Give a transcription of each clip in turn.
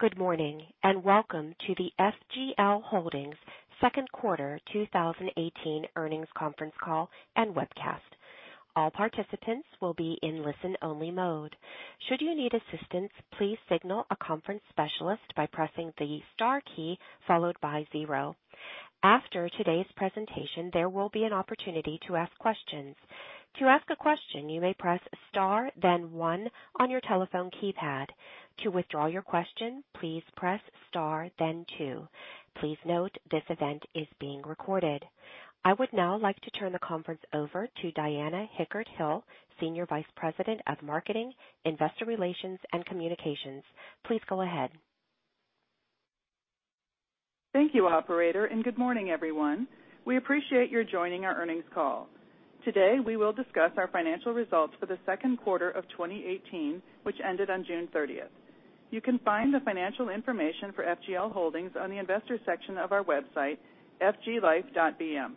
Good morning. Welcome to the FGL Holdings second quarter 2018 earnings conference call and webcast. All participants will be in listen-only mode. Should you need assistance, please signal a conference specialist by pressing the star key followed by zero. After today's presentation, there will be an opportunity to ask questions. To ask a question, you may press star then one on your telephone keypad. To withdraw your question, please press star then two. Please note this event is being recorded. I would now like to turn the conference over to Diana Hickert-Hill, Senior Vice President of Marketing, Investor Relations, and Communications. Please go ahead. Thank you, operator. Good morning, everyone. We appreciate your joining our earnings call. Today, we will discuss our financial results for the second quarter of 2018, which ended on June 30th. You can find the financial information for FGL Holdings on the investor section of our website, fglife.bm.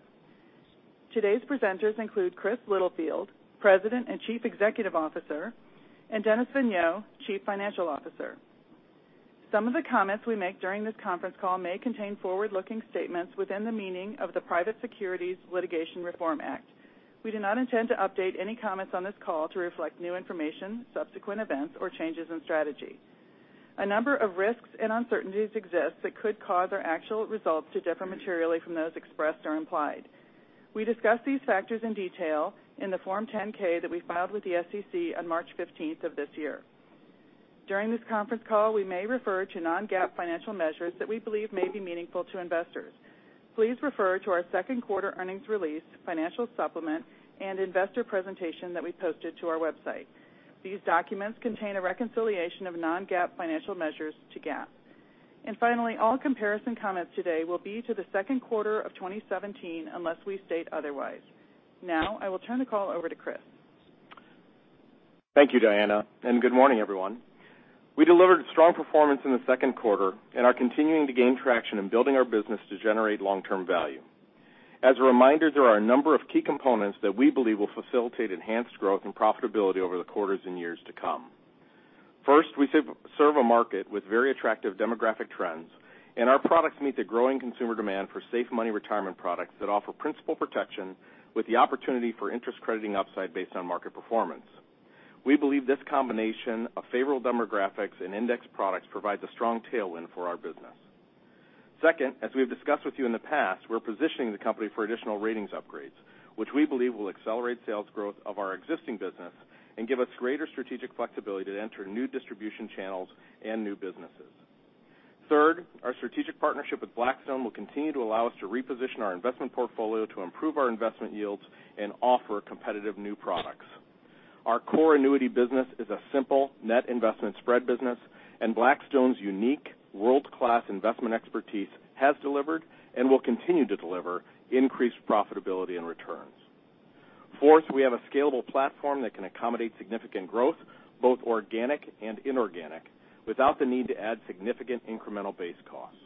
Today's presenters include Chris Littlefield, President and Chief Executive Officer, and Dennis Vigneault, Chief Financial Officer. Some of the comments we make during this conference call may contain forward-looking statements within the meaning of the Private Securities Litigation Reform Act. We do not intend to update any comments on this call to reflect new information, subsequent events, or changes in strategy. A number of risks and uncertainties exist that could cause our actual results to differ materially from those expressed or implied. We discuss these factors in detail in the Form 10-K that we filed with the SEC on March 15th of this year. During this conference call, we may refer to non-GAAP financial measures that we believe may be meaningful to investors. Please refer to our second quarter earnings release, financial supplement, and investor presentation that we posted to our website. These documents contain a reconciliation of non-GAAP financial measures to GAAP. Finally, all comparison comments today will be to the second quarter of 2017, unless we state otherwise. Now, I will turn the call over to Chris. Thank you, Diana. Good morning, everyone. We delivered strong performance in the second quarter and are continuing to gain traction in building our business to generate long-term value. As a reminder, there are a number of key components that we believe will facilitate enhanced growth and profitability over the quarters and years to come. First, we serve a market with very attractive demographic trends, and our products meet the growing consumer demand for safe money retirement products that offer principal protection with the opportunity for interest crediting upside based on market performance. We believe this combination of favorable demographics and index products provides a strong tailwind for our business. Second, as we've discussed with you in the past, we're positioning the company for additional ratings upgrades, which we believe will accelerate sales growth of our existing business and give us greater strategic flexibility to enter new distribution channels and new businesses. Third, our strategic partnership with Blackstone will continue to allow us to reposition our investment portfolio to improve our investment yields and offer competitive new products. Our core annuity business is a simple net investment spread business, and Blackstone's unique world-class investment expertise has delivered and will continue to deliver increased profitability and returns. Fourth, we have a scalable platform that can accommodate significant growth, both organic and inorganic, without the need to add significant incremental base costs.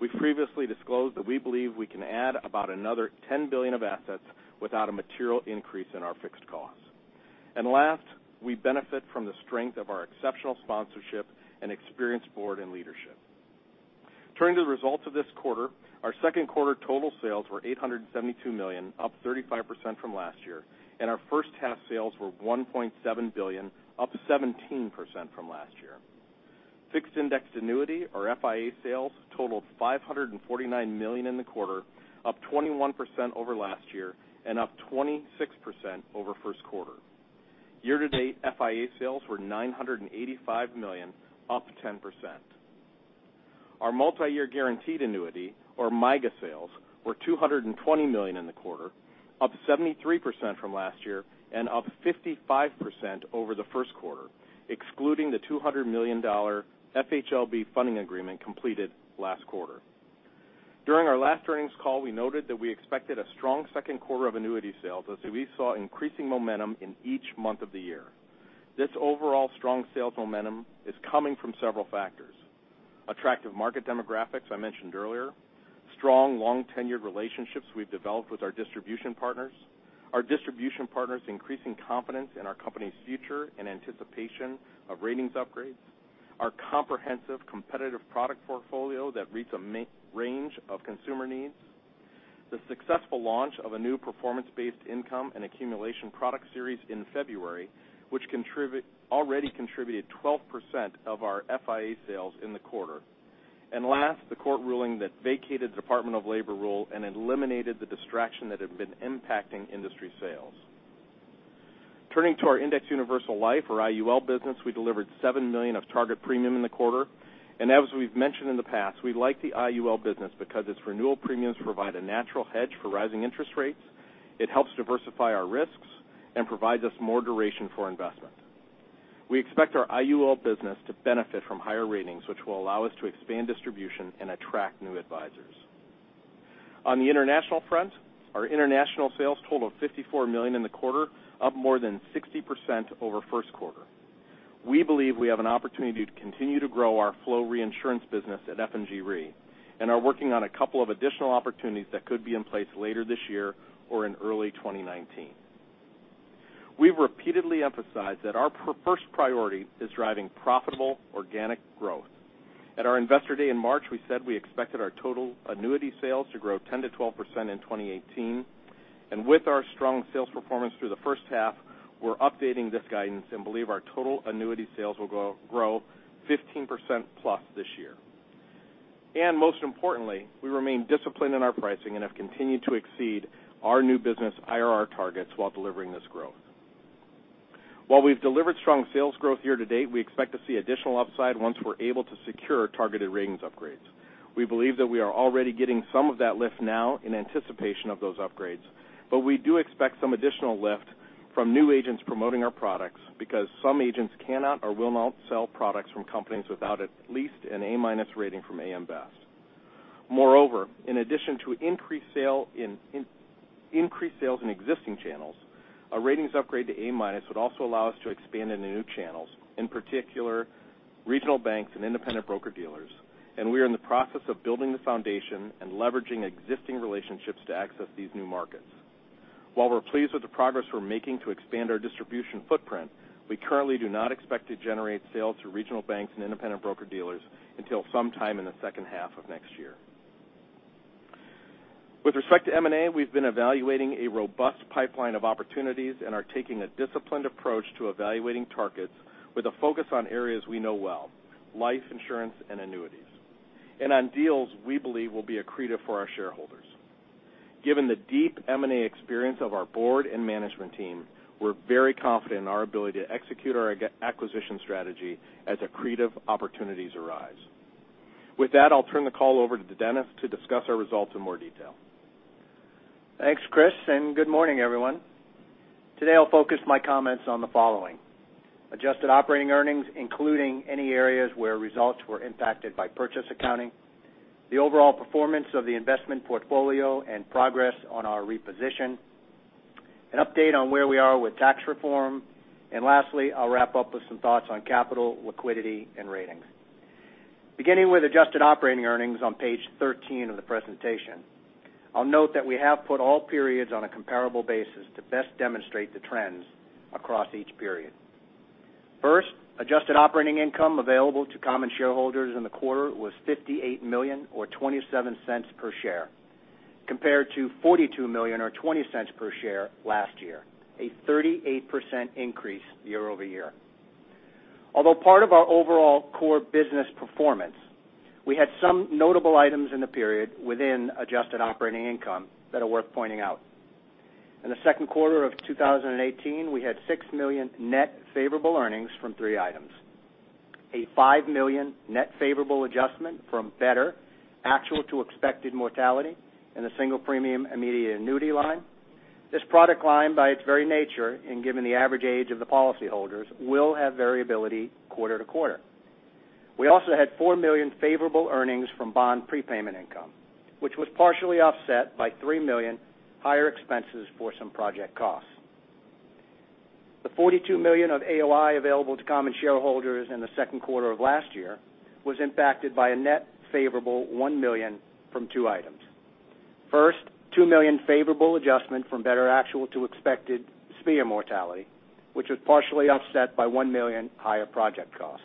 We previously disclosed that we believe we can add about another $10 billion of assets without a material increase in our fixed costs. Last, we benefit from the strength of our exceptional sponsorship and experienced board and leadership. Turning to the results of this quarter, our second quarter total sales were $872 million, up 35% from last year, and our first half sales were $1.7 billion, up 17% from last year. Fixed Indexed Annuity or FIA sales totaled $549 million in the quarter, up 21% over last year and up 26% over first quarter. Year-to-date FIA sales were $985 million, up 10%. Our Multi-Year Guaranteed Annuity or MYGA sales were $220 million in the quarter, up 73% from last year and up 55% over the first quarter, excluding the $200 million FHLB funding agreement completed last quarter. During our last earnings call, we noted that we expected a strong second quarter of annuity sales as we saw increasing momentum in each month of the year. This overall strong sales momentum is coming from several factors. Attractive market demographics I mentioned earlier, strong long-tenured relationships we've developed with our distribution partners, our distribution partners' increasing confidence in our company's future and anticipation of ratings upgrades, our comprehensive competitive product portfolio that meets a range of consumer needs, the successful launch of a new performance-based income and accumulation product series in February, which already contributed 12% of our FIA sales in the quarter. Last, the court ruling that vacated the Department of Labor rule and eliminated the distraction that had been impacting industry sales. Turning to our Indexed Universal Life or IUL business, we delivered $7 million of target premium in the quarter. As we've mentioned in the past, we like the IUL business because its renewal premiums provide a natural hedge for rising interest rates, it helps diversify our risks and provides us more duration for investment. We expect our IUL business to benefit from higher ratings, which will allow us to expand distribution and attract new advisors. On the international front, our international sales totaled $54 million in the quarter, up more than 60% over first quarter. We believe we have an opportunity to continue to grow our flow reinsurance business at F&G Re and are working on a couple of additional opportunities that could be in place later this year or in early 2019. We've repeatedly emphasized that our first priority is driving profitable organic growth. At our investor day in March, we said we expected our total annuity sales to grow 10%-12% in 2018. With our strong sales performance through the first half, we're updating this guidance and believe our total annuity sales will grow 15%+ this year. Most importantly, we remain disciplined in our pricing and have continued to exceed our new business IRR targets while delivering this growth. While we've delivered strong sales growth year-to-date, we expect to see additional upside once we're able to secure targeted ratings upgrades. We believe that we are already getting some of that lift now in anticipation of those upgrades, but we do expect some additional lift from new agents promoting our products because some agents cannot or will not sell products from companies without at least an A-minus rating from AM Best. Moreover, in addition to increased sales in existing channels, a ratings upgrade to A-minus would also allow us to expand into new channels, in particular regional banks and independent broker-dealers. We are in the process of building the foundation and leveraging existing relationships to access these new markets. While we're pleased with the progress we're making to expand our distribution footprint, we currently do not expect to generate sales through regional banks and independent broker-dealers until sometime in the second half of next year. With respect to M&A, we've been evaluating a robust pipeline of opportunities and are taking a disciplined approach to evaluating targets with a focus on areas we know well, life insurance and annuities, and on deals we believe will be accretive for our shareholders. Given the deep M&A experience of our board and management team, we're very confident in our ability to execute our acquisition strategy as accretive opportunities arise. With that, I'll turn the call over to Dennis to discuss our results in more detail. Thanks, Chris, and good morning, everyone. Today, I'll focus my comments on the following: Adjusted Operating Income, including any areas where results were impacted by purchase accounting. The overall performance of the investment portfolio and progress on our reposition. An update on where we are with tax reform. Lastly, I'll wrap up with some thoughts on capital, liquidity, and ratings. Beginning with Adjusted Operating Income on page 13 of the presentation, I'll note that we have put all periods on a comparable basis to best demonstrate the trends across each period. Adjusted Operating Income available to common shareholders in the quarter was $58 million, or $0.27 per share, compared to $42 million or $0.20 per share last year, a 38% increase year-over-year. Although part of our overall core business performance, we had some notable items in the period within Adjusted Operating Income that are worth pointing out. In the second quarter of 2018, we had $6 million net favorable earnings from three items. A $5 million net favorable adjustment from better actual to expected mortality in the Single Premium Immediate Annuity line. This product line, by its very nature, and given the average age of the policyholders, will have variability quarter-to-quarter. We also had $4 million favorable earnings from bond prepayment income, which was partially offset by $3 million higher expenses for some project costs. The $42 million of AOI available to common shareholders in the second quarter of last year was impacted by a net favorable $1 million from two items. First, $2 million favorable adjustment from better actual to expected SPIA mortality, which was partially offset by $1 million higher project cost.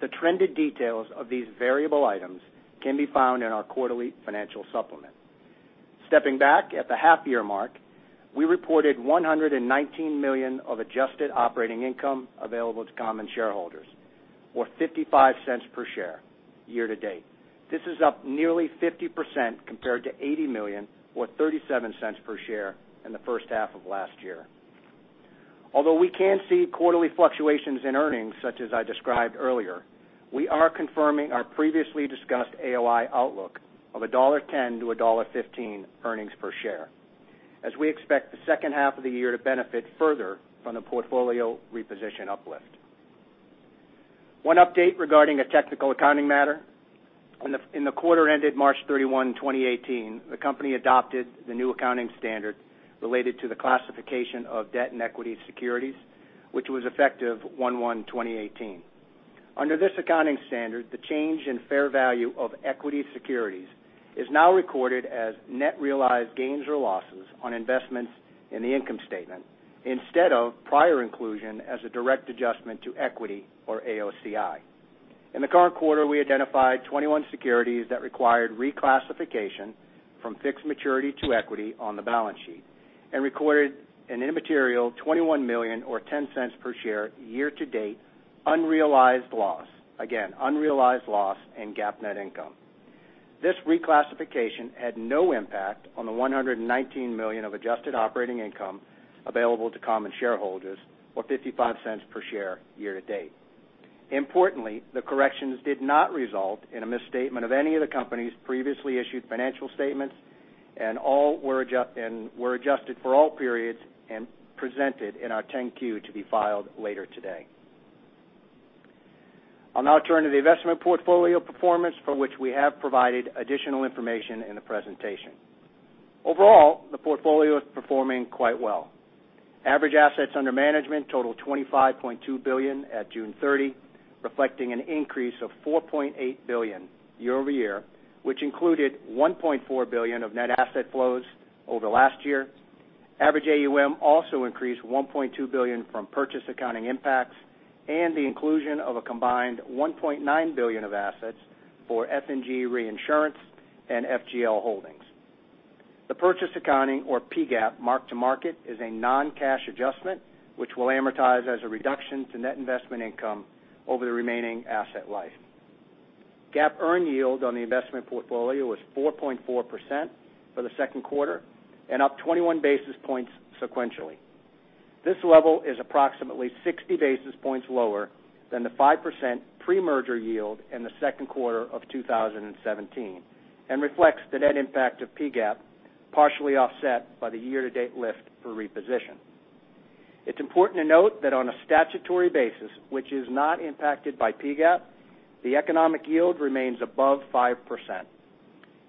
The trended details of these variable items can be found in our quarterly financial supplement. Stepping back at the half year mark, we reported $119 million of Adjusted Operating Income available to common shareholders or $0.55 per share year-to-date. This is up nearly 50% compared to $80 million or $0.37 per share in the first half of last year. Although we can see quarterly fluctuations in earnings such as I described earlier, we are confirming our previously discussed AOI outlook of $1.10-$1.15 earnings per share, as we expect the second half of the year to benefit further from the portfolio reposition uplift. One update regarding a technical accounting matter. In the quarter ended March 31, 2018, the company adopted the new accounting standard related to the classification of debt and equity securities, which was effective 01/01/2018. Under this accounting standard, the change in fair value of equity securities is now recorded as net realized gains or losses on investments in the income statement instead of prior inclusion as a direct adjustment to equity or AOCI. In the current quarter, we identified 21 securities that required reclassification from fixed maturity to equity on the balance sheet and recorded an immaterial $21 million or $0.10 per share year-to-date unrealized loss. Again, unrealized loss in GAAP net income. This reclassification had no impact on the $119 million of Adjusted Operating Income available to common shareholders or $0.55 per share year-to-date. Importantly, the corrections did not result in a misstatement of any of the company's previously issued financial statements and were adjusted for all periods and presented in our 10-Q to be filed later today. I'll now turn to the investment portfolio performance for which we have provided additional information in the presentation. Overall, the portfolio is performing quite well. Average assets under management total $25.2 billion at June 30. Reflecting an increase of $4.8 billion year-over-year, which included $1.4 billion of net asset flows over last year. Average AUM also increased $1.2 billion from purchase accounting impacts and the inclusion of a combined $1.9 billion of assets for F&G Reinsurance and FGL Holdings. The purchase accounting or PGAAP mark-to-market is a non-cash adjustment which will amortize as a reduction to net investment income over the remaining asset life. GAAP earned yield on the investment portfolio was 4.4% for the second quarter and up 21 basis points sequentially. This level is approximately 60 basis points lower than the 5% pre-merger yield in the second quarter of 2017 and reflects the net impact of PGAAP, partially offset by the year-to-date lift for reposition. It's important to note that on a statutory basis, which is not impacted by PGAAP, the economic yield remains above 5%.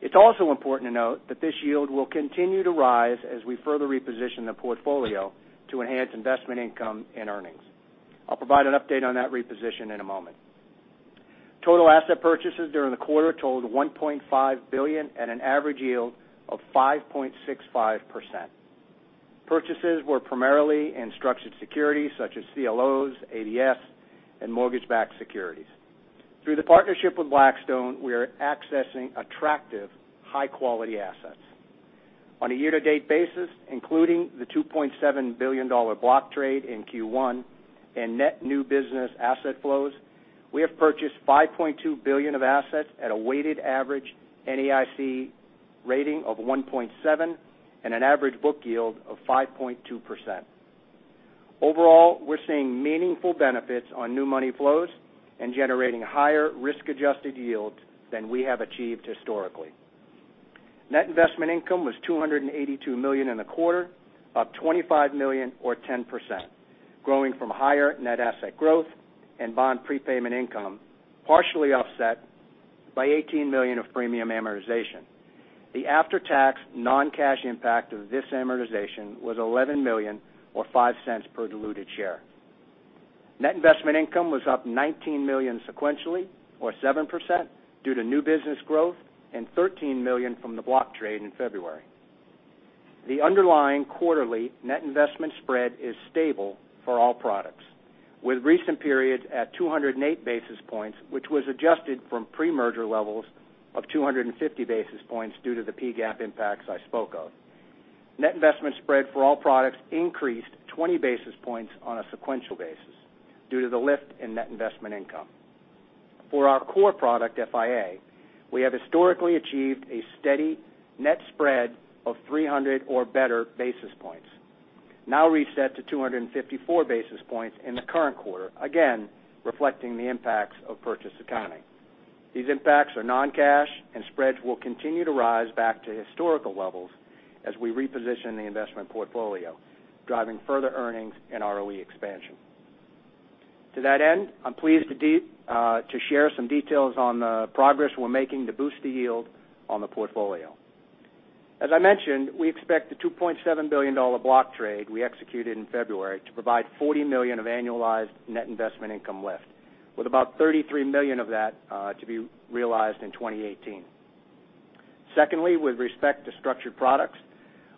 It's also important to note that this yield will continue to rise as we further reposition the portfolio to enhance investment income and earnings. I'll provide an update on that reposition in a moment. Total asset purchases during the quarter totaled $1.5 billion at an average yield of 5.65%. Purchases were primarily in structured securities such as CLOs, ABS, and mortgage-backed securities. Through the partnership with Blackstone, we are accessing attractive high-quality assets. On a year-to-date basis, including the $2.7 billion block trade in Q1 and net new business asset flows, we have purchased $5.2 billion of assets at a weighted average NAIC rating of 1.7 and an average book yield of 5.2%. Overall, we're seeing meaningful benefits on new money flows and generating higher risk-adjusted yields than we have achieved historically. Net investment income was $282 million in the quarter, up $25 million or 10%, growing from higher net asset growth and bond prepayment income, partially offset by $18 million of premium amortization. The after-tax non-cash impact of this amortization was $11 million or $0.05 per diluted share. Net investment income was up $19 million sequentially or 7% due to new business growth and $13 million from the block trade in February. The underlying quarterly net investment spread is stable for all products, with recent periods at 208 basis points, which was adjusted from pre-merger levels of 250 basis points due to the PGAAP impacts I spoke of. Net investment spread for all products increased 20 basis points on a sequential basis due to the lift in net investment income. For our core product, FIA, we have historically achieved a steady net spread of 300 or better basis points, now reset to 254 basis points in the current quarter, again, reflecting the impacts of purchase accounting. These impacts are non-cash and spreads will continue to rise back to historical levels as we reposition the investment portfolio, driving further earnings and ROE expansion. To that end, I'm pleased to share some details on the progress we're making to boost the yield on the portfolio. As I mentioned, we expect the $2.7 billion block trade we executed in February to provide $40 million of annualized net investment income lift, with about $33 million of that to be realized in 2018. Secondly, with respect to structured products,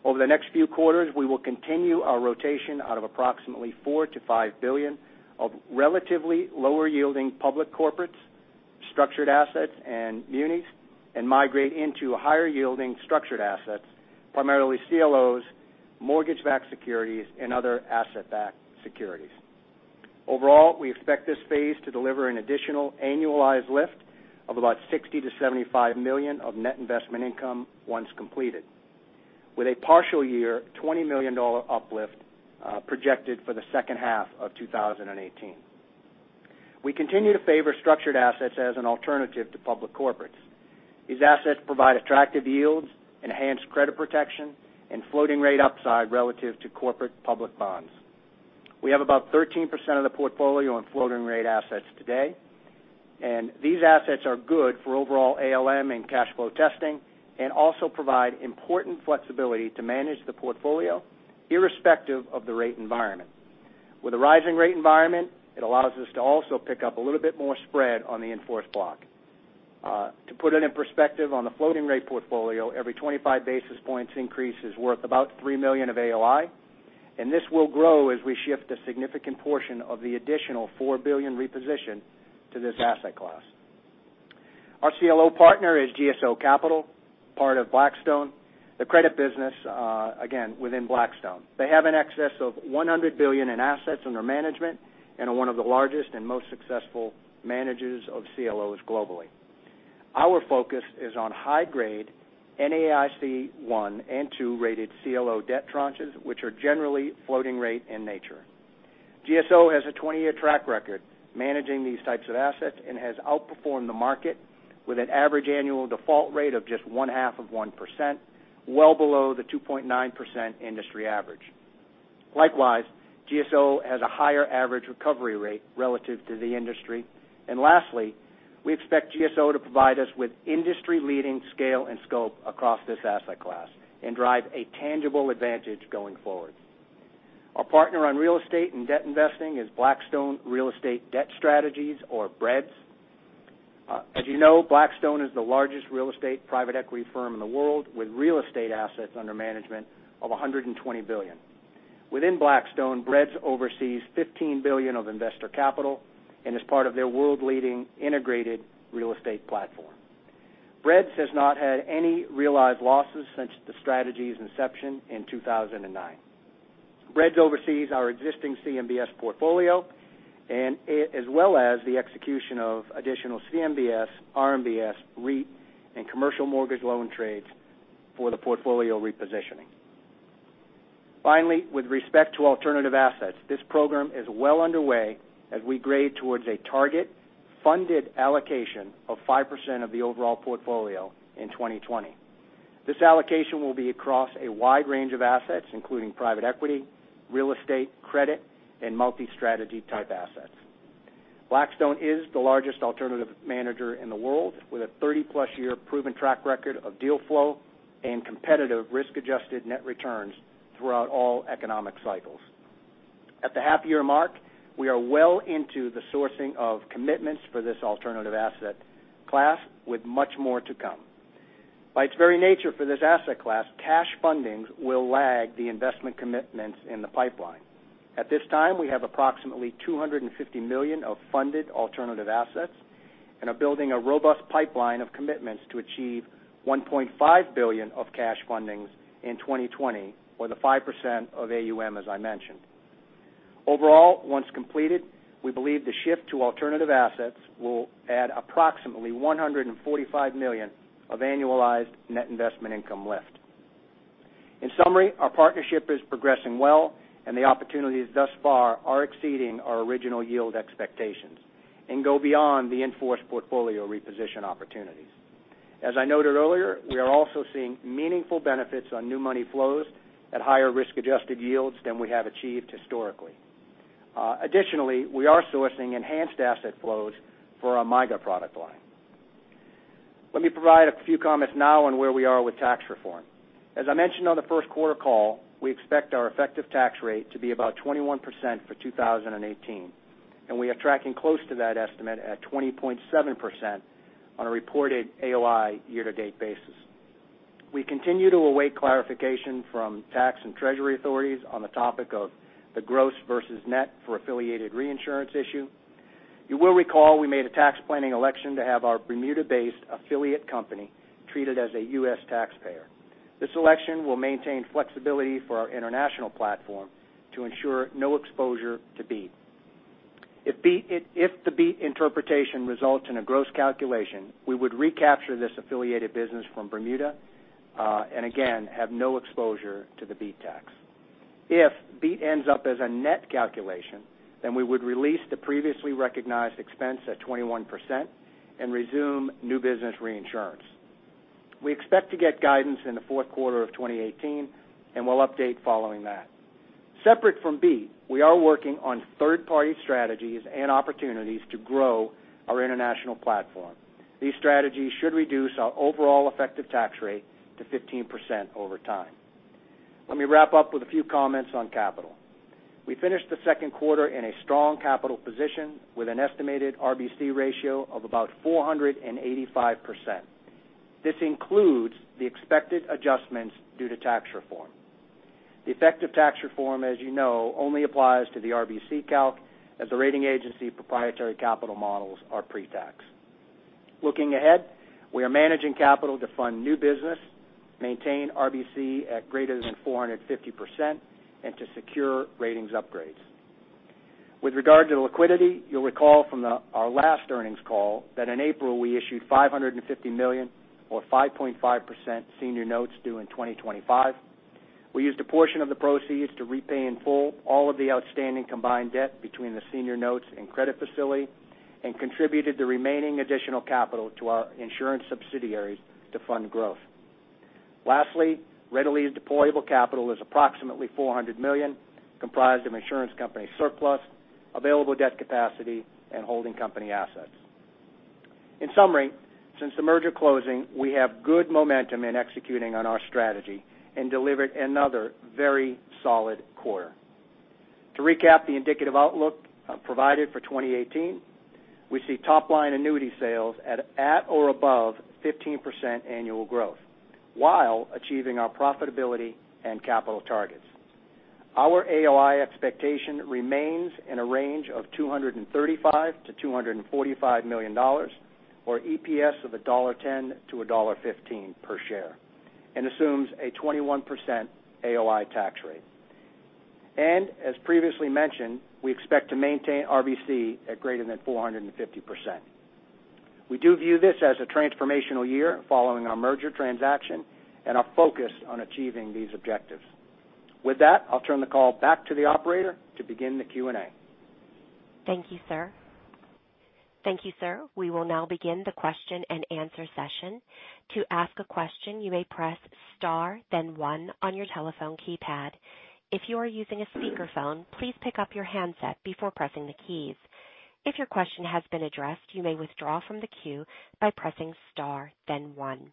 over the next few quarters, we will continue our rotation out of approximately $4 billion-$5 billion of relatively lower-yielding public corporates, structured assets and munis, and migrate into higher-yielding structured assets, primarily CLOs, mortgage-backed securities, and other asset-backed securities. Overall, we expect this phase to deliver an additional annualized lift of about $60 million-$75 million of net investment income once completed, with a partial year $20 million uplift projected for the second half of 2018. We continue to favor structured assets as an alternative to public corporates. These assets provide attractive yields, enhanced credit protection, and floating rate upside relative to corporate public bonds. We have about 13% of the portfolio on floating rate assets today. These assets are good for overall ALM and cash flow testing and also provide important flexibility to manage the portfolio irrespective of the rate environment. With a rising rate environment, it allows us to also pick up a little bit more spread on the in-force block. To put it in perspective, on the floating rate portfolio, every 25 basis points increase is worth about $3 million of AOI. This will grow as we shift a significant portion of the additional $4 billion reposition to this asset class. Our CLO partner is Blackstone Credit, part of Blackstone, the credit business, again, within Blackstone. They have in excess of $100 billion in assets under management and are one of the largest and most successful managers of CLOs globally. Our focus is on high-grade NAIC 1 and 2-rated CLO debt tranches, which are generally floating rate in nature. GSO has a 20-year track record managing these types of assets and has outperformed the market with an average annual default rate of just one half of 1%, well below the 2.9% industry average. Likewise, GSO has a higher average recovery rate relative to the industry. Lastly, we expect GSO to provide us with industry-leading scale and scope across this asset class and drive a tangible advantage going forward. Our partner on real estate and debt investing is Blackstone Real Estate Debt Strategies, or BREDS. As you know, Blackstone is the largest real estate private equity firm in the world, with real estate assets under management of $120 billion. Within Blackstone, BREDS oversees $15 billion of investor capital and is part of their world-leading integrated real estate platform. BREDS has not had any realized losses since the strategy's inception in 2009. BREDS oversees our existing CMBS portfolio, as well as the execution of additional CMBS, RMBS, REIT, and commercial mortgage loan trades for the portfolio repositioning. Finally, with respect to alternative assets, this program is well underway as we grade towards a target funded allocation of 5% of the overall portfolio in 2020. This allocation will be across a wide range of assets, including private equity, real estate, credit, and multi-strategy type assets. Blackstone is the largest alternative manager in the world, with a 30-plus year proven track record of deal flow and competitive risk-adjusted net returns throughout all economic cycles. At the half-year mark, we are well into the sourcing of commitments for this alternative asset class with much more to come. By its very nature for this asset class, cash fundings will lag the investment commitments in the pipeline. At this time, we have approximately $250 million of funded alternative assets and are building a robust pipeline of commitments to achieve $1.5 billion of cash fundings in 2020, or the 5% of AUM, as I mentioned. Overall, once completed, we believe the shift to alternative assets will add approximately $145 million of annualized net investment income lift. In summary, our partnership is progressing well. The opportunities thus far are exceeding our original yield expectations and go beyond the in-force portfolio reposition opportunities. As I noted earlier, we are also seeing meaningful benefits on new money flows at higher risk-adjusted yields than we have achieved historically. Additionally, we are sourcing enhanced asset flows for our MYGA product line. Let me provide a few comments now on where we are with tax reform. As I mentioned on the first quarter call, we expect our effective tax rate to be about 21% for 2018, and we are tracking close to that estimate at 20.7% on a reported AOI year-to-date basis. We continue to await clarification from tax and treasury authorities on the topic of the gross versus net for affiliated reinsurance issue. You will recall we made a tax planning election to have our Bermuda-based affiliate company treated as a U.S. taxpayer. This election will maintain flexibility for our international platform to ensure no exposure to BEAT. If the BEAT interpretation results in a gross calculation, we would recapture this affiliated business from Bermuda, and again, have no exposure to the BEAT tax. If BEAT ends up as a net calculation, we would release the previously recognized expense at 21% and resume new business reinsurance. We expect to get guidance in the fourth quarter of 2018, we'll update following that. Separate from BEAT, we are working on third-party strategies and opportunities to grow our international platform. These strategies should reduce our overall effective tax rate to 15% over time. Let me wrap up with a few comments on capital. We finished the second quarter in a strong capital position with an estimated RBC ratio of about 485%. This includes the expected adjustments due to tax reform. The effective tax reform, as you know, only applies to the RBC calc, as the rating agency proprietary capital models are pre-tax. Looking ahead, we are managing capital to fund new business, maintain RBC at greater than 450%, and to secure ratings upgrades. With regard to liquidity, you'll recall from our last earnings call that in April we issued $550 million or 5.5% senior notes due in 2025. We used a portion of the proceeds to repay in full all of the outstanding combined debt between the senior notes and credit facility and contributed the remaining additional capital to our insurance subsidiaries to fund growth. Lastly, readily deployable capital is approximately $400 million, comprised of insurance company surplus, available debt capacity, and holding company assets. In summary, since the merger closing, we have good momentum in executing on our strategy and delivered another very solid quarter. To recap the indicative outlook provided for 2018, we see top-line annuity sales at or above 15% annual growth while achieving our profitability and capital targets. Our AOI expectation remains in a range of $235 million-$245 million, or EPS of $1.10-$1.15 per share, and assumes a 21% AOI tax rate. As previously mentioned, we expect to maintain RBC at greater than 450%. We do view this as a transformational year following our merger transaction and are focused on achieving these objectives. With that, I'll turn the call back to the operator to begin the Q&A. Thank you, sir. We will now begin the question and answer session. To ask a question, you may press star then one on your telephone keypad. If you are using a speakerphone, please pick up your handset before pressing the keys. If your question has been addressed, you may withdraw from the queue by pressing star then one.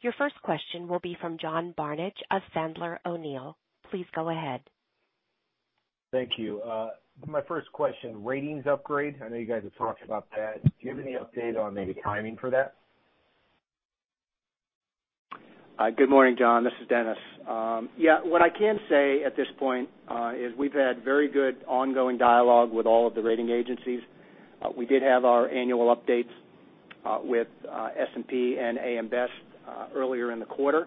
Your first question will be from John Barnidge of Sandler O'Neill. Please go ahead. Thank you. My first question, ratings upgrade. I know you guys have talked about that. Do you have any update on maybe timing for that? Good morning, John. This is Dennis. Yeah. What I can say at this point, is we've had very good ongoing dialogue with all of the rating agencies. We did have our annual updates with S&P and AM Best earlier in the quarter.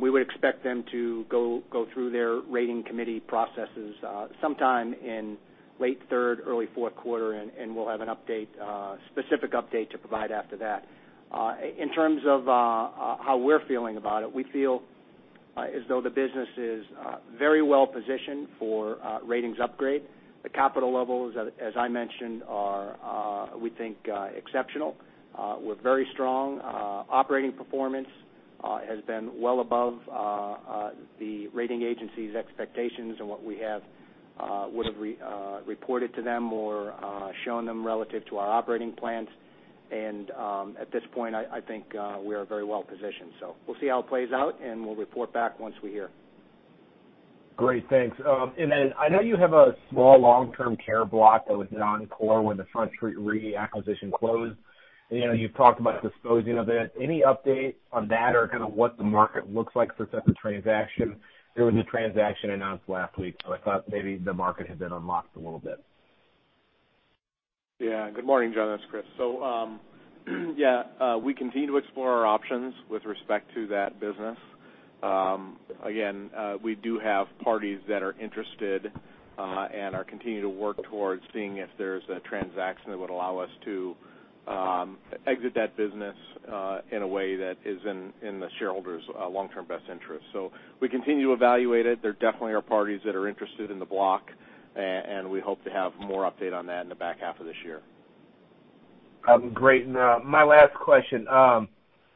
We would expect them to go through their rating committee processes sometime in late third, early fourth quarter, and we'll have a specific update to provide after that. In terms of how we're feeling about it, we feel as though the business is very well-positioned for a ratings upgrade. The capital levels, as I mentioned, are, we think, exceptional. We're very strong. Operating performance has been well above the rating agencies' expectations and what we have reported to them or shown them relative to our operating plans. At this point, I think we are very well-positioned. We'll see how it plays out, and we'll report back once we hear. Great. Thanks. I know you have a small long-term care block that was non-core when the Front Street Re acquisition closed. You've talked about disposing of it. Any update on that or kind of what the market looks like for such a transaction? There was a transaction announced last week, so I thought maybe the market had been unlocked a little bit. Yeah. Good morning, John. It's Chris. We continue to explore our options with respect to that business. Again, we do have parties that are interested and are continuing to work towards seeing if there's a transaction that would allow us to exit that business in a way that is in the shareholders' long-term best interest. We continue to evaluate it. There definitely are parties that are interested in the block, and we hope to have more update on that in the back half of this year. Great. My last question.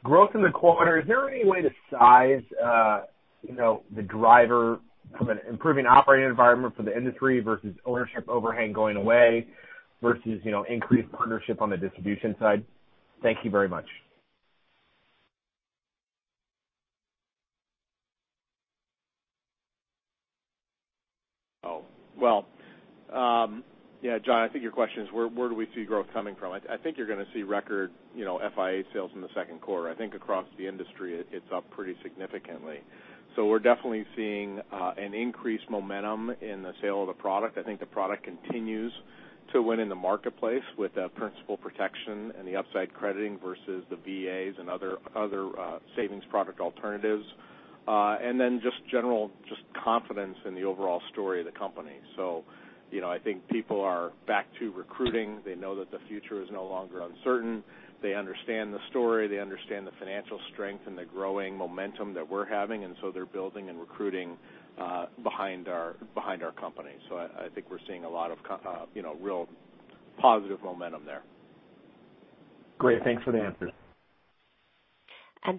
Growth in the quarter, is there any way to size the driver from an improving operating environment for the industry versus ownership overhang going away versus increased partnership on the distribution side? Thank you very much. Well, yeah, John, I think your question is where do we see growth coming from? I think you're going to see record FIA sales in the second quarter. I think across the industry it's up pretty significantly. We're definitely seeing an increased momentum in the sale of the product. I think the product continues to win in the marketplace with the principal protection and the upside crediting versus the VAs and other savings product alternatives. Just general confidence in the overall story of the company. I think people are back to recruiting. They know that the future is no longer uncertain. They understand the story. They understand the financial strength and the growing momentum that we're having, they're building and recruiting behind our company. I think we're seeing a lot of real positive momentum there. Great. Thanks for the answers.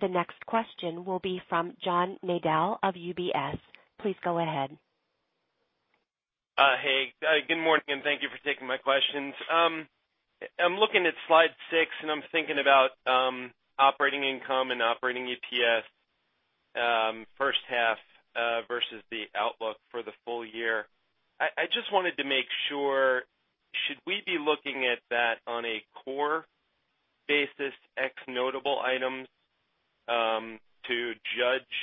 The next question will be from John Nadel of UBS. Please go ahead. Hey, good morning. Thank you for taking my questions. I'm looking at slide six, and I'm thinking about operating income and operating EPS first half versus the outlook for the full year. I just wanted to make sure, should we be looking at that on a core basis, ex notable items, to judge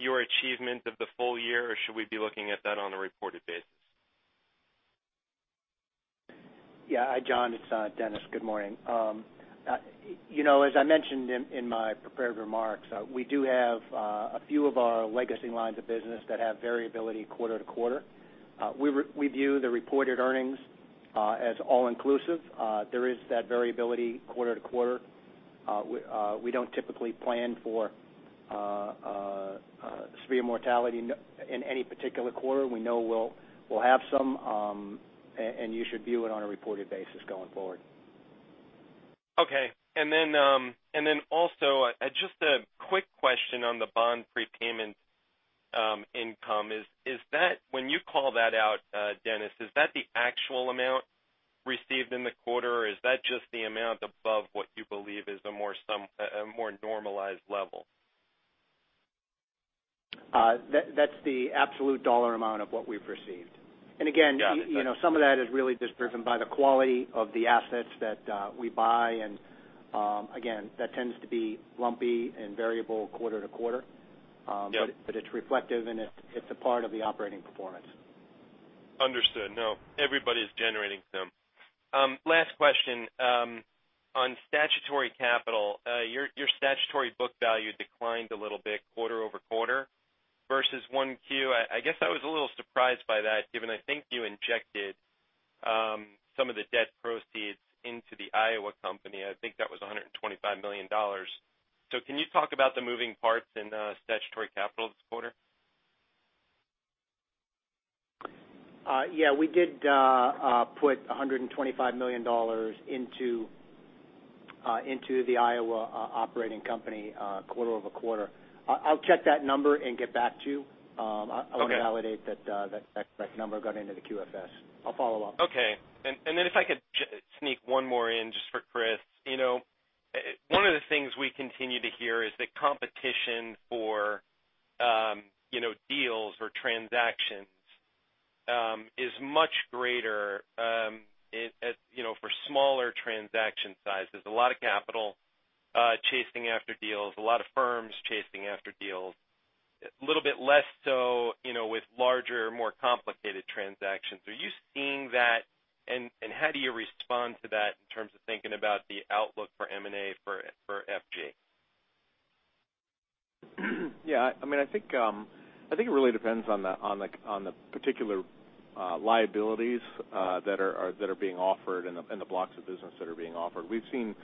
your achievement of the full year or should we be looking at that on a reported basis? Yeah. John, it's Dennis. Good morning. As I mentioned in my prepared remarks, we do have a few of our legacy lines of business that have variability quarter to quarter. We view the reported earnings as all-inclusive. There is that variability quarter to quarter. We don't typically plan for severe mortality in any particular quarter. We know we'll have some. You should view it on a reported basis going forward. Okay. Then also, just a quick question on the bond prepayment income. When you call that out, Dennis, is that the actual amount received in the quarter, or is that just the amount above what you believe is a more normalized level? That's the absolute dollar amount of what we've received. Again, Yeah Some of that is really just driven by the quality of the assets that we buy. Again, that tends to be lumpy and variable quarter to quarter. Yeah. It's reflective, and it's a part of the operating performance. Understood. Everybody's generating some. Last question. On statutory capital, your statutory book value declined a little bit quarter-over-quarter versus 1Q. I guess I was a little surprised by that given I think you injected some of the debt proceeds into the Iowa company. I think that was $125 million. Can you talk about the moving parts in statutory capital this quarter? We did put $125 million into the Iowa operating company quarter-over-quarter. I'll check that number and get back to you. Okay. I want to validate that number got into the QFS. I'll follow up. If I could sneak one more in just for Chris. Things we continue to hear is that competition for deals or transactions is much greater for smaller transaction sizes. A lot of capital chasing after deals, a lot of firms chasing after deals. A little bit less so with larger, more complicated transactions. Are you seeing that, and how do you respond to that in terms of thinking about the outlook for M&A for F&G? I think it really depends on the particular liabilities that are being offered and the blocks of business that are being offered. We've seen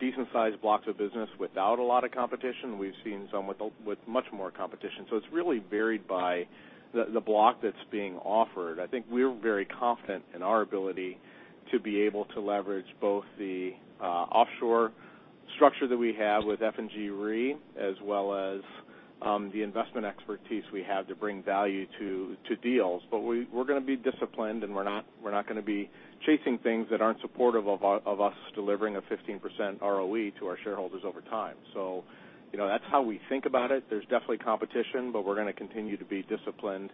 decent-sized blocks of business without a lot of competition. We've seen some with much more competition. It's really varied by the block that's being offered. I think we're very confident in our ability to be able to leverage both the offshore structure that we have with F&G Re, as well as the investment expertise we have to bring value to deals. We're going to be disciplined, and we're not going to be chasing things that aren't supportive of us delivering a 15% ROE to our shareholders over time. That's how we think about it. There's definitely competition, we're going to continue to be disciplined.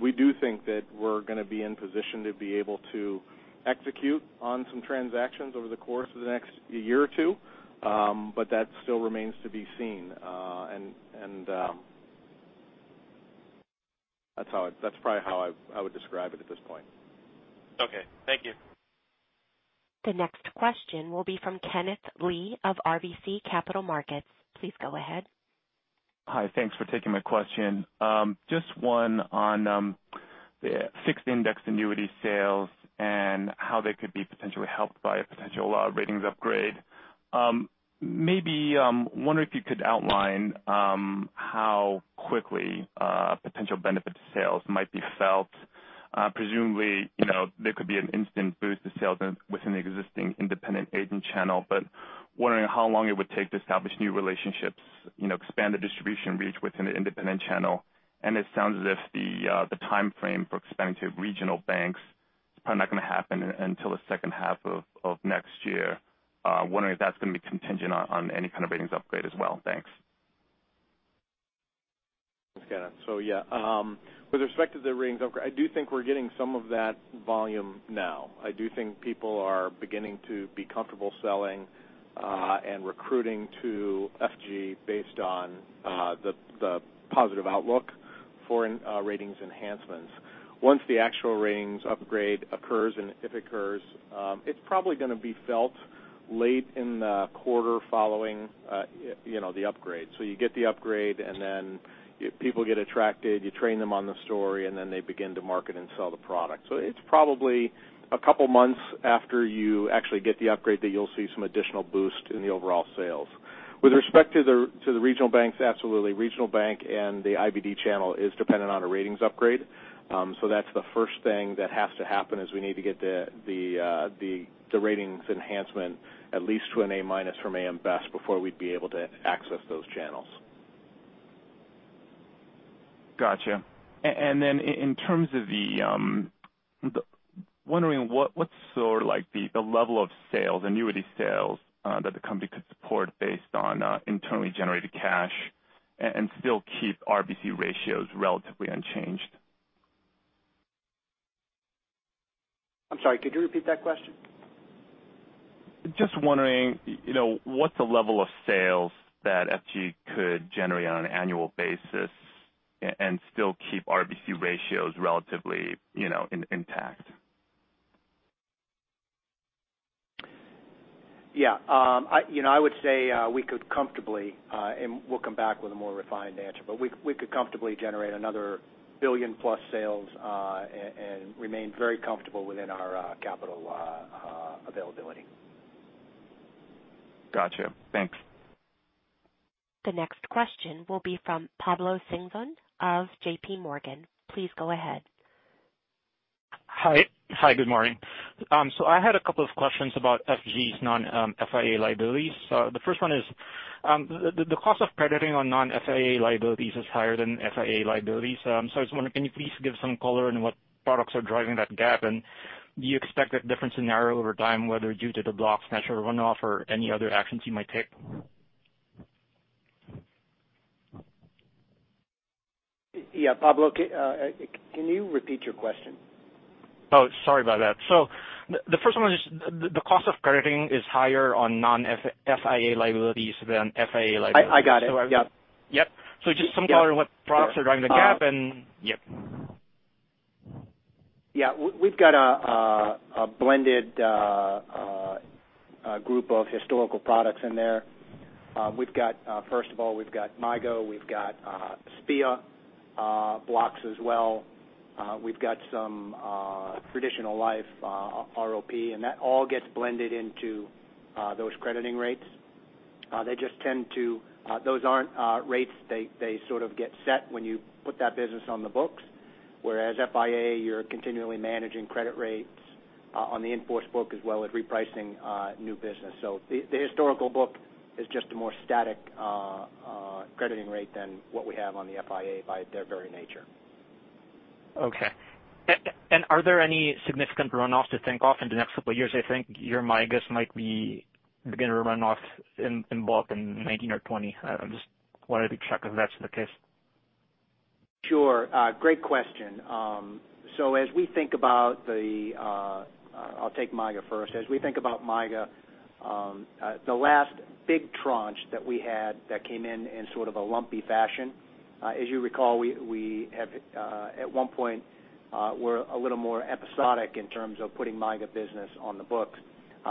We do think that we're going to be in position to be able to execute on some transactions over the course of the next year or two. That still remains to be seen. That's probably how I would describe it at this point. Okay. Thank you. The next question will be from Kenneth Lee of RBC Capital Markets. Please go ahead. Hi. Thanks for taking my question. Just one on the Fixed Indexed Annuity sales and how they could be potentially helped by a potential ratings upgrade. Maybe wondering if you could outline how quickly potential benefit to sales might be felt. Presumably, there could be an instant boost to sales within the existing independent agent channel, but wondering how long it would take to establish new relationships, expand the distribution reach within the independent channel. It sounds as if the timeframe for expanding to regional banks is probably not going to happen until the second half of next year. Wondering if that's going to be contingent on any kind of ratings upgrade as well. Thanks. Okay. Yeah. With respect to the ratings upgrade, I do think we're getting some of that volume now. I do think people are beginning to be comfortable selling and recruiting to F&G based on the positive outlook for ratings enhancements. Once the actual ratings upgrade occurs, and if it occurs, it's probably going to be felt late in the quarter following the upgrade. You get the upgrade, and then people get attracted, you train them on the story, and then they begin to market and sell the product. It's probably a couple months after you actually get the upgrade that you'll see some additional boost in the overall sales. With respect to the regional banks, absolutely. Regional bank and the IBD channel is dependent on a ratings upgrade. That's the first thing that has to happen, is we need to get the ratings enhancement at least to an A minus from AM Best before we'd be able to access those channels. Got you. Then in terms of wondering what's sort of like the level of sales, annuity sales that the company could support based on internally-generated cash and still keep RBC ratios relatively unchanged? I'm sorry, could you repeat that question? Just wondering what the level of sales that F&G could generate on an annual basis and still keep RBC ratios relatively intact. Yeah. I would say we could comfortably, and we'll come back with a more refined answer, but we could comfortably generate another billion-plus sales and remain very comfortable within our capital availability. Got you. Thanks. The next question will be from Pablo Singzon of J.P. Morgan. Please go ahead. Hi. Good morning. I had a couple of questions about F&G's non-FIA liabilities. The first one is the cost of crediting on non-FIA liabilities is higher than FIA liabilities. I was wondering, can you please give some color on what products are driving that gap, and do you expect a different scenario over time, whether due to the blocks natural runoff or any other actions you might take? Yeah. Pablo, can you repeat your question? Sorry about that. The first one was the cost of crediting is higher on non-FIA liabilities than FIA liabilities. I got it. Yep. Yep. Just some color on what products are driving the gap. Yeah. We've got a blended group of historical products in there. First of all, we've got MYGA, we've got SPIA blocks as well. We've got some traditional life ROP, and that all gets blended into those crediting rates. Those aren't rates they sort of get set when you put that business on the books. Whereas FIA, you're continually managing crediting rates on the in-force book as well as repricing new business. The historical book is just a more static crediting rate than what we have on the FIA by their very nature. Okay. Are there any significant runoff to think of in the next couple years? I think your MYGAs might be beginning to run off in bulk in 2019 or 2020. I just wanted to check if that's the case. Sure. Great question. I'll take MYGA first. As we think about MYGA, the last big tranche that we had that came in in sort of a lumpy fashion, as you recall, we at one point were a little more episodic in terms of putting MYGA business on the books.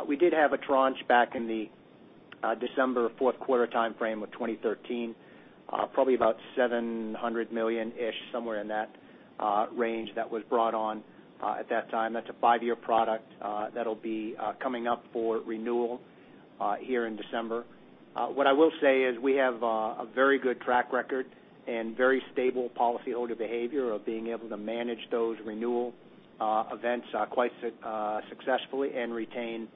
We did have a tranche back in the December fourth quarter timeframe of 2013, probably about $700 million-ish, somewhere in that range that was brought on at that time. That's a five-year product that'll be coming up for renewal here in December. What I will say is we have a very good track record and very stable policyholder behavior of being able to manage those renewal events quite successfully and retain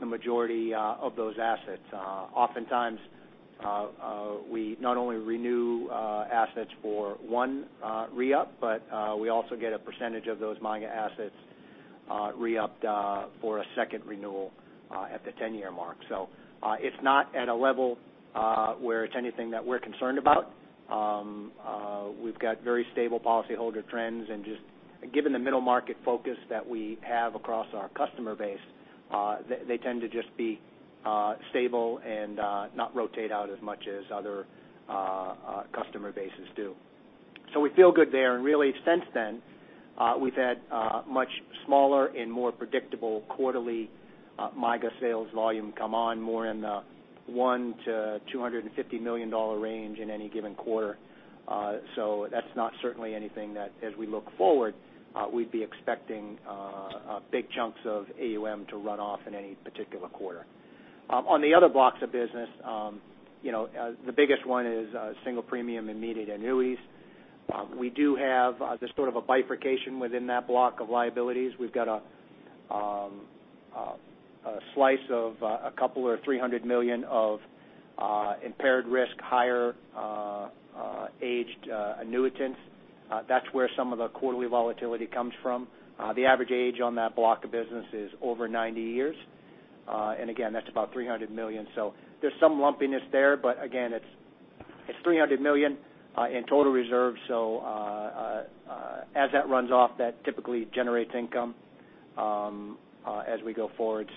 the majority of those assets. Oftentimes, we not only renew assets for one re-up, but we also get a percentage of those MYGA assets re-upped for a second renewal at the 10-year mark. It's not at a level where it's anything that we're concerned about. We've got very stable policyholder trends, and just given the middle market focus that we have across our customer base, they tend to just be stable and not rotate out as much as other customer bases do. We feel good there. Really, since then, we've had much smaller and more predictable quarterly MYGA sales volume come on more in the one to $250 million range in any given quarter. That's not certainly anything that as we look forward, we'd be expecting big chunks of AUM to run off in any particular quarter. On the other blocks of business, the biggest one is Single Premium Immediate Annuities. We do have this sort of a bifurcation within that block of liabilities. We've got a slice of a couple or $300 million of impaired risk, higher-aged annuitants. That's where some of the quarterly volatility comes from. The average age on that block of business is over 90 years. Again, that's about $300 million. There's some lumpiness there, but again, it's $300 million in total reserves. As that runs off, that typically generates income as we go forward.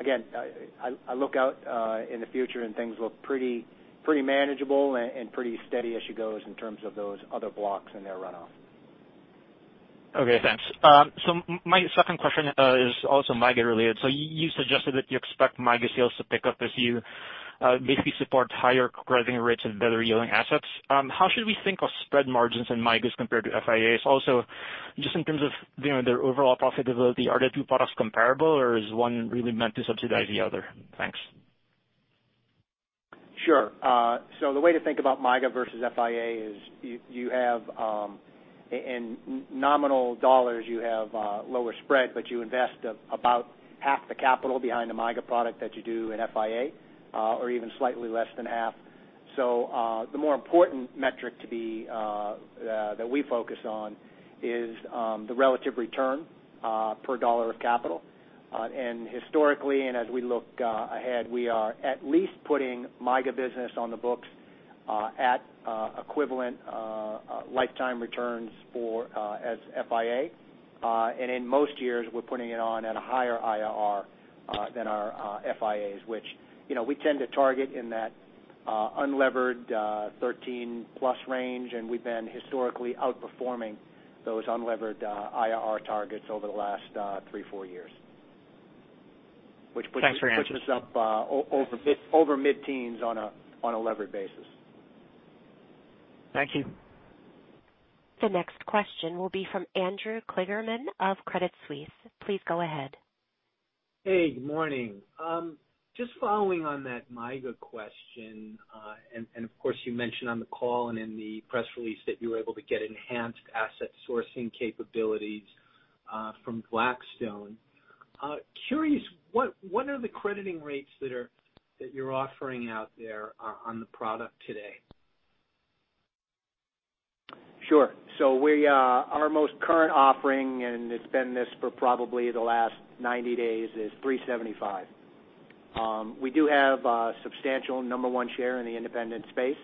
Again, I look out in the future and things look pretty manageable and pretty steady as she goes in terms of those other blocks and their runoff. Okay, thanks. My second question is also MYGA-related. You suggested that you expect MYGA sales to pick up as you basically support higher crediting rates and better yielding assets. How should we think of spread margins in MYGAs compared to FIAs? Also, just in terms of their overall profitability, are the two products comparable, or is one really meant to subsidize the other? Thanks. Sure. The way to think about MYGA versus FIA is in nominal dollars, you have a lower spread, but you invest about half the capital behind a MYGA product that you do in FIA, or even slightly less than half. The more important metric that we focus on is the relative return per dollar of capital. Historically, and as we look ahead, we are at least putting MYGA business on the books at equivalent lifetime returns as FIA. In most years, we're putting it on at a higher IRR than our FIAs, which we tend to target in that unlevered 13-plus range, and we've been historically outperforming those unlevered IRR targets over the last three, four years. Thanks for answering. Which puts us up over mid-teens on a levered basis. Thank you. The next question will be from Andrew Kligerman of Credit Suisse. Please go ahead. Hey, good morning. Just following on that MYGA question, of course, you mentioned on the call and in the press release that you were able to get enhanced asset sourcing capabilities from Blackstone. Curious, what are the crediting rates that you're offering out there on the product today? Sure. Our most current offering, and it's been this for probably the last 90 days, is 375. We do have substantial number 1 share in the independent space.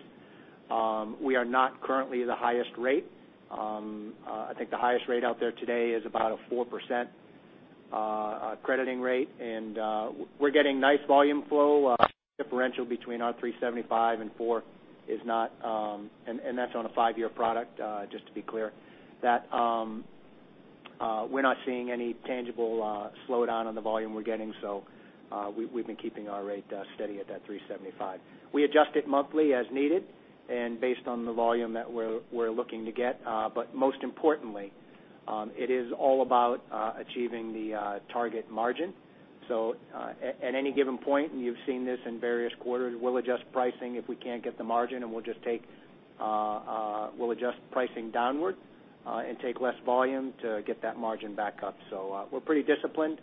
We are not currently the highest rate. I think the highest rate out there today is about a 4% crediting rate. We're getting nice volume flow. Differential between our 375 and four, and that's on a five-year product, just to be clear. We're not seeing any tangible slowdown on the volume we're getting. We've been keeping our rate steady at that 375. We adjust it monthly as needed and based on the volume that we're looking to get. Most importantly, it is all about achieving the target margin. At any given point, you've seen this in various quarters, we'll adjust pricing if we can't get the margin, and we'll adjust pricing downward, and take less volume to get that margin back up. We're pretty disciplined.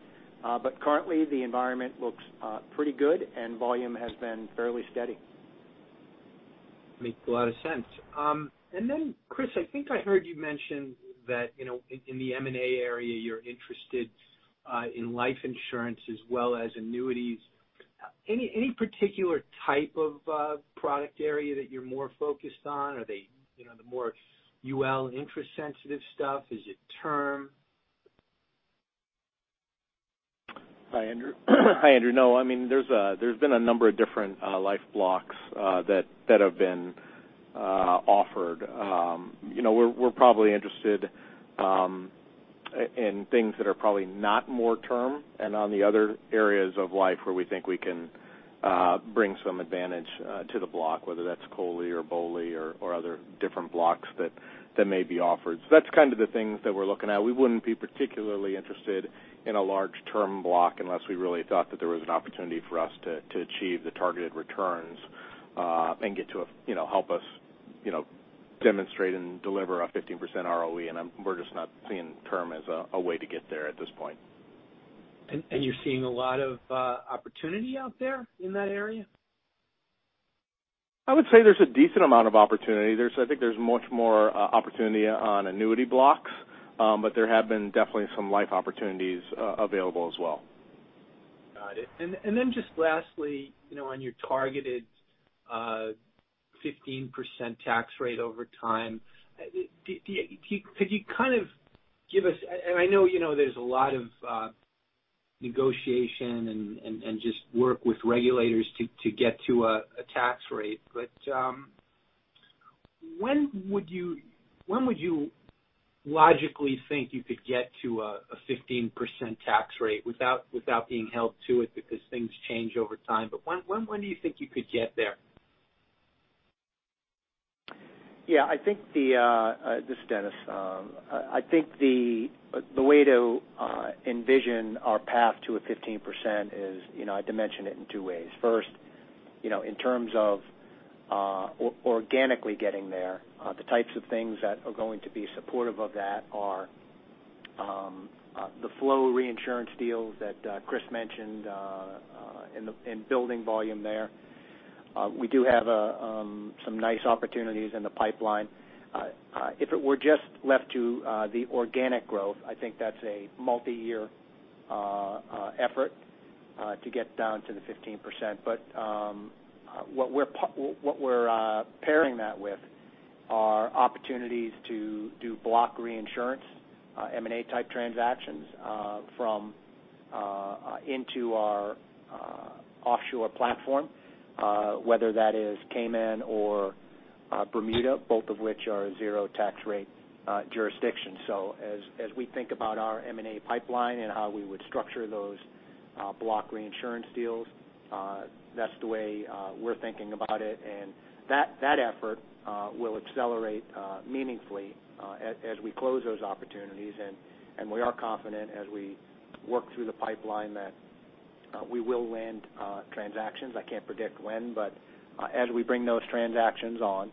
Currently, the environment looks pretty good, and volume has been fairly steady. Makes a lot of sense. Chris, I think I heard you mention that in the M&A area, you're interested in life insurance as well as annuities. Any particular type of product area that you're more focused on? Are they the more UL interest sensitive stuff? Is it term? Hi, Andrew. No, there's been a number of different life blocks that have been offered. We're probably interested in things that are probably not more term and on the other areas of life where we think we can bring some advantage to the block, whether that's COLI or BOLI or other different blocks that may be offered. That's kind of the things that we're looking at. We wouldn't be particularly interested in a large term block unless we really thought that there was an opportunity for us to achieve the targeted returns and get to help us demonstrate and deliver a 15% ROE. We're just not seeing term as a way to get there at this point. You're seeing a lot of opportunity out there in that area? I would say there's a decent amount of opportunity. I think there's much more opportunity on annuity blocks. There have been definitely some life opportunities available as well. Got it. Lastly, on your targeted 15% tax rate over time, could you give us, and I know there's a lot of negotiation and just work with regulators to get to a tax rate, when would you logically think you could get to a 15% tax rate without being held to it? Things change over time, when do you think you could get there? Yeah, this is Dennis. I think the way to envision our path to a 15% is, I'd dimension it in two ways. First, in terms of organically getting there, the types of things that are going to be supportive of that are the flow reinsurance deals that Chris mentioned in building volume there. We do have some nice opportunities in the pipeline. If it were just left to the organic growth, I think that's a multi-year effort to get down to the 15%. What we're pairing that with are opportunities to do block reinsurance M&A type transactions into our offshore platform, whether that is Cayman or Bermuda, both of which are zero tax rate jurisdictions. As we think about our M&A pipeline and how we would structure those block reinsurance deals, that's the way we're thinking about it. That effort will accelerate meaningfully as we close those opportunities. We are confident as we work through the pipeline that we will land transactions. I can't predict when, but as we bring those transactions on,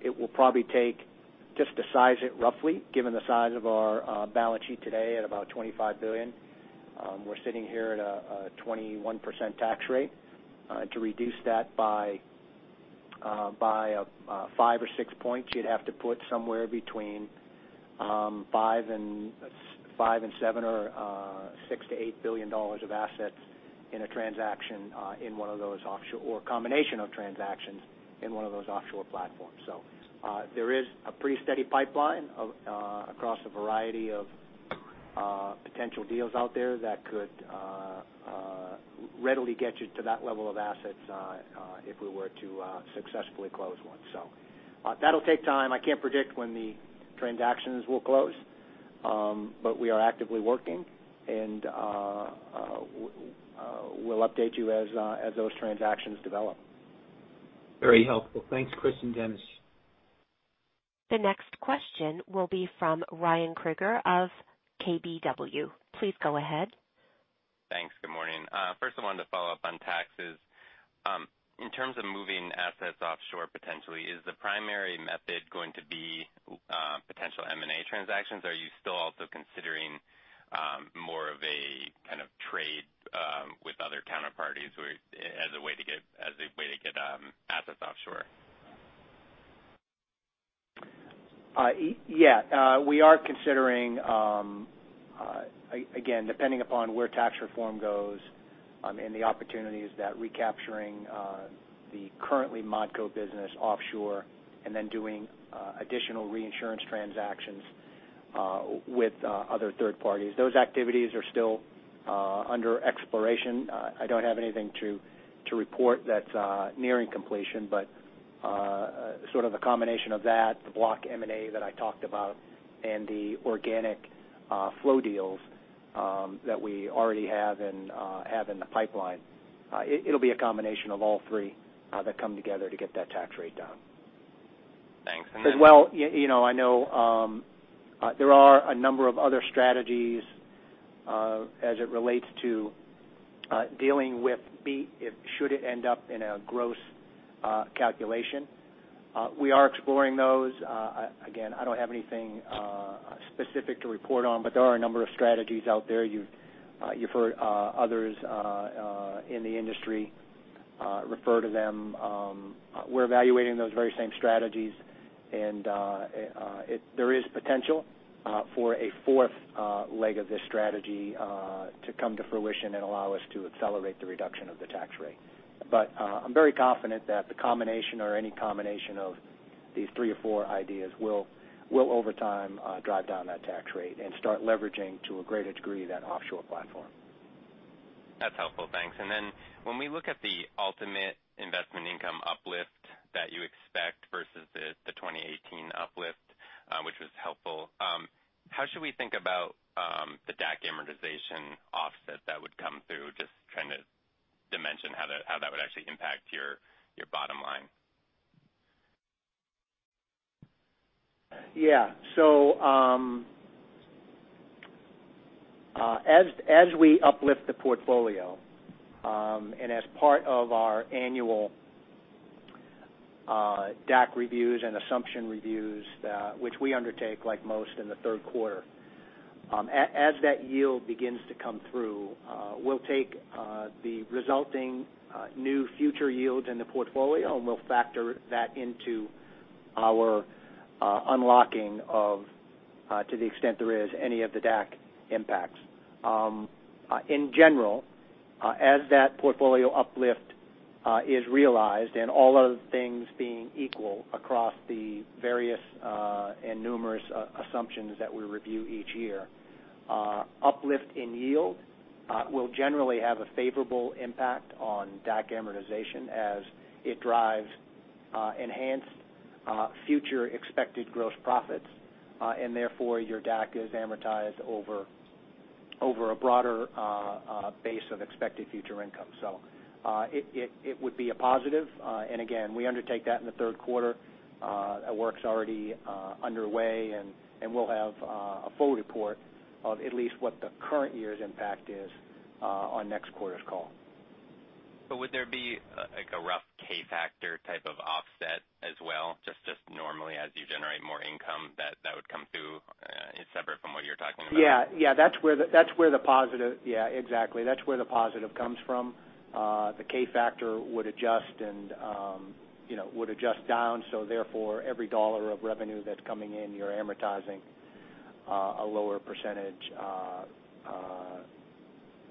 it will probably take just to size it roughly, given the size of our balance sheet today at about $25 billion. We're sitting here at a 21% tax rate. To reduce that by five or six points, you'd have to put somewhere between $5 billion and $7 billion or $6 billion-$8 billion of assets in a transaction in one of those offshore or combination of transactions in one of those offshore platforms. There is a pretty steady pipeline across a variety of potential deals out there that could readily get you to that level of assets if we were to successfully close one. That'll take time. I can't predict when the transactions will close. We are actively working, and we'll update you as those transactions develop. Very helpful. Thanks, Chris and Dennis. The next question will be from Ryan Krueger of KBW. Please go ahead. Thanks. Good morning. First I wanted to follow up on taxes. In terms of moving assets offshore potentially, is the primary method going to be potential M&A transactions? Are you still also considering more of a kind of trade with other counterparties as a way to get assets offshore? We are considering, again, depending upon where tax reform goes and the opportunities that recapturing the currently ModCo business offshore and then doing additional reinsurance transactions with other third parties. Those activities are still under exploration. I don't have anything to report that's nearing completion, but sort of a combination of that, the block M&A that I talked about and the organic flow deals that we already have in the pipeline. It'll be a combination of all three that come together to get that tax rate down. Thanks. As well, I know there are a number of other strategies as it relates to dealing with BEAT, should it end up in a gross calculation. We are exploring those. Again, I don't have anything specific to report on, but there are a number of strategies out there. You've heard others in the industry refer to them. We're evaluating those very same strategies, and there is potential for a fourth leg of this strategy to come to fruition and allow us to accelerate the reduction of the tax rate. I'm very confident that the combination or any combination of these three or four ideas will, over time, drive down that tax rate and start leveraging, to a greater degree, that offshore platform. That's helpful. Thanks. When we look at the ultimate investment income uplift that you expect versus the 2018 uplift, which was helpful, how should we think about the DAC amortization offset that would come through? Just trying to dimension how that would actually impact your bottom line. As we uplift the portfolio, and as part of our annual DAC reviews and assumption reviews, which we undertake like most in the third quarter. As that yield begins to come through, we'll take the resulting new future yields in the portfolio, and we'll factor that into our unlocking of, to the extent there is any of the DAC impacts. In general, as that portfolio uplift is realized, and all other things being equal across the various and numerous assumptions that we review each year. Uplift in yield will generally have a favorable impact on DAC amortization as it drives enhanced future expected gross profits. Therefore, your DAC is amortized over a broader base of expected future income. It would be a positive. Again, we undertake that in the third quarter. That work's already underway, we'll have a full report of at least what the current year's impact is on next quarter's call. Would there be a rough K-factor type of offset as well, just normally as you generate more income that would come through, separate from what you're talking about? Yeah. Exactly. That's where the positive comes from. The K-factor would adjust down, therefore, every dollar of revenue that's coming in, you're amortizing a lower percentage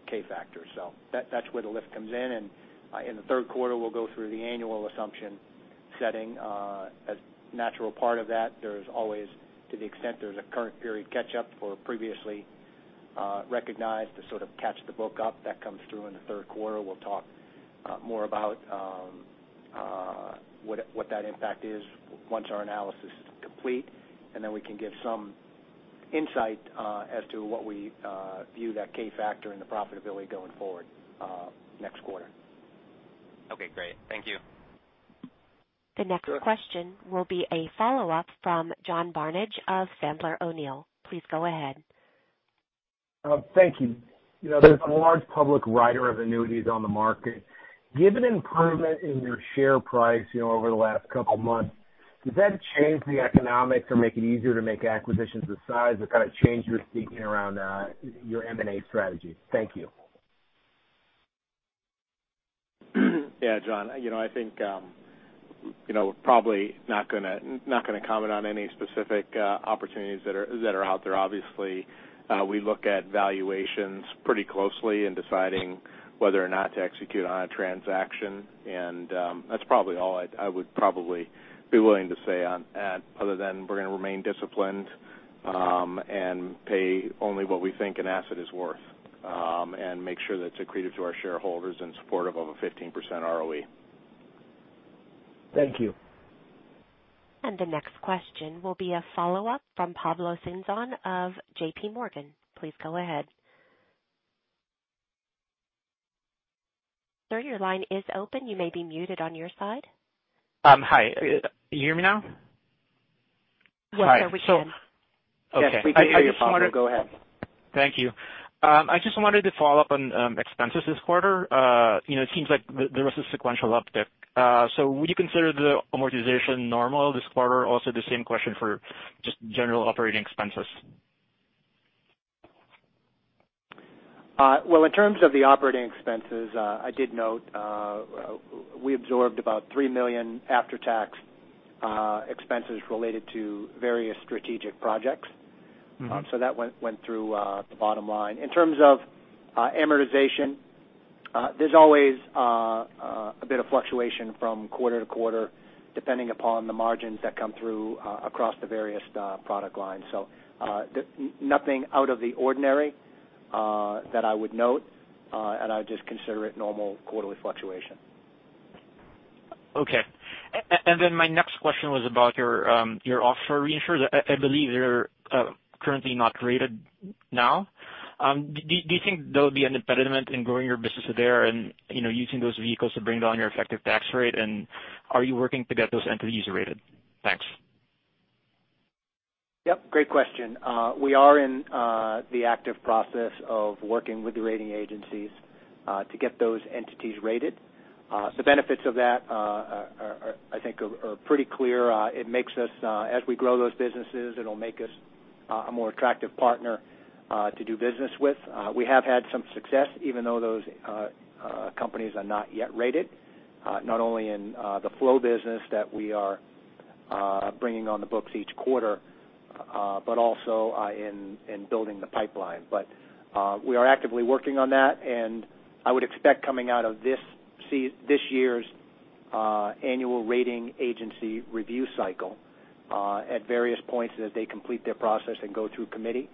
K-factor. That's where the lift comes in. In the third quarter, we'll go through the annual assumption setting. A natural part of that, there's always, to the extent there's a current period catch-up for previously recognized to sort of catch the book up, that comes through in the third quarter. We'll talk more about what that impact is once our analysis is complete, and then we can give some insight as to what we view that K-factor and the profitability going forward next quarter. Okay, great. Thank you. The next question will be a follow-up from John Barnidge of Sandler O'Neill. Please go ahead. Thank you. There's a large public writer of annuities on the market. Given improvement in your share price over the last couple of months, does that change the economics or make it easier to make acquisitions of size or kind of change your thinking around your M&A strategy? Thank you. Yeah, John. I think we're probably not going to comment on any specific opportunities that are out there. Obviously, we look at valuations pretty closely in deciding whether or not to execute on a transaction. That's probably all I would probably be willing to say on that, other than we're going to remain disciplined and pay only what we think an asset is worth. Make sure that it's accretive to our shareholders and supportive of a 15% ROE. Thank you. The next question will be a follow-up from Pablo Singzon of J.P. Morgan. Please go ahead. Sir, your line is open. You may be muted on your side. Hi. Can you hear me now? Yes, sir. We can. Yes, we can hear you, Pablo. Go ahead. Thank you. I just wanted to follow up on expenses this quarter. It seems like there was a sequential uptick. Would you consider the amortization normal this quarter? Also, the same question for just general operating expenses. Well, in terms of the operating expenses, I did note we absorbed about $3 million after-tax expenses related to various strategic projects. That went through the bottom line. In terms of amortization, there's always a bit of fluctuation from quarter to quarter, depending upon the margins that come through across the various product lines. Nothing out of the ordinary that I would note, and I would just consider it normal quarterly fluctuation. Okay. My next question was about your offshore reinsurers. I believe they're currently not rated now. Do you think that would be an impediment in growing your business there and using those vehicles to bring down your effective tax rate? Are you working to get those entities rated? Thanks. Yep, great question. We are in the active process of working with the rating agencies to get those entities rated. The benefits of that are, I think, pretty clear. As we grow those businesses, it'll make us a more attractive partner to do business with. We have had some success, even though those companies are not yet rated. Not only in the flow business that we are bringing on the books each quarter, but also in building the pipeline. We are actively working on that, and I would expect coming out of this year's annual rating agency review cycle, at various points as they complete their process and go through committee,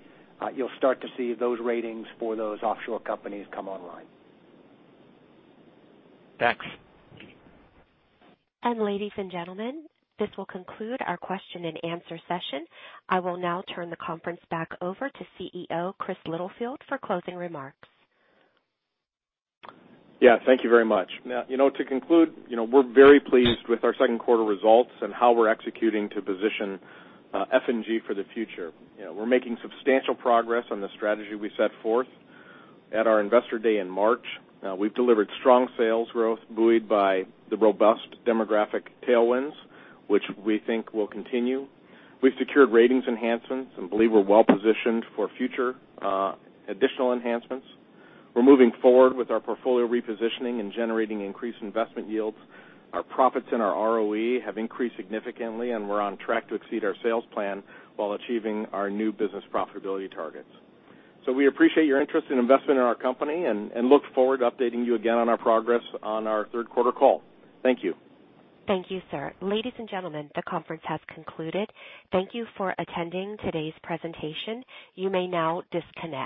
you'll start to see those ratings for those offshore companies come online. Thanks. Ladies and gentlemen, this will conclude our question and answer session. I will now turn the conference back over to CEO Chris Littlefield for closing remarks. Yeah. Thank you very much. To conclude, we're very pleased with our second quarter results and how we're executing to position F&G for the future. We're making substantial progress on the strategy we set forth at our Investor Day in March. We've delivered strong sales growth buoyed by the robust demographic tailwinds, which we think will continue. We've secured ratings enhancements and believe we're well-positioned for future additional enhancements. We're moving forward with our portfolio repositioning and generating increased investment yields. Our profits and our ROE have increased significantly, and we're on track to exceed our sales plan while achieving our new business profitability targets. We appreciate your interest and investment in our company and look forward to updating you again on our progress on our third quarter call. Thank you. Thank you, sir. Ladies and gentlemen, the conference has concluded. Thank you for attending today's presentation. You may now disconnect.